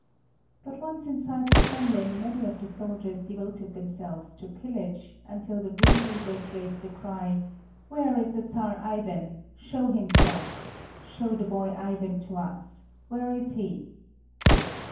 But once inside the Kremlin many of the soldiers devoted themselves to pillage, until the ringleaders raised the cry, "Where is the Czar Ivan? Show him to us! Show the boy Ivan to us! Where is he?"